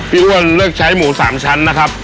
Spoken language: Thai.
อ้วนเลือกใช้หมู๓ชั้นนะครับ